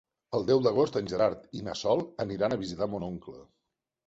El deu d'agost en Gerard i na Sol aniran a visitar mon oncle.